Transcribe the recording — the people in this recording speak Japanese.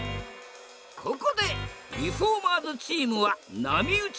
ここでリフォーマーズチームは波打ち